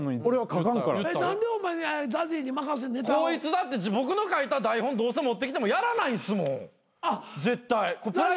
こいつだって僕の書いた台本どうせ持ってきてもやらないんすもん絶対。